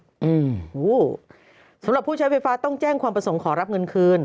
โอ้โหสำหรับผู้ใช้ไฟฟ้าต้องแจ้งความประสงค์ขอรับเงินคืน